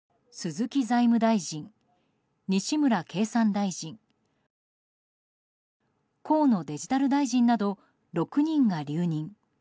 鈴木財務大臣、西村経産大臣河野デジタル大臣など６人が留任。